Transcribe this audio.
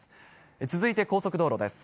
続いて高速道路です。